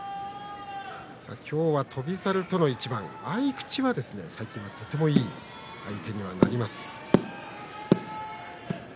今日は翔猿との一番合い口はとてもいい相手にはなります。